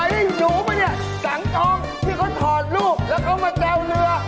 นี่หนูป่ะเนี่ยสั่งจองที่เขาถอดรูปแล้วเขามาแซวเรือ